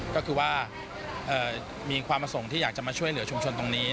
ก็คือว่ามีความประสงค์ที่อยากจะมาช่วยเหลือชุมชนตรงนี้